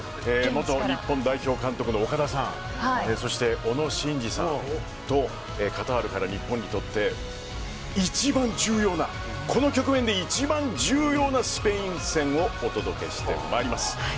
元日本代表監督の岡田さんそして小野伸二さんとカタールから日本にとって一番重要なこの局面で一番重要なスペイン戦をお届けしてまいります。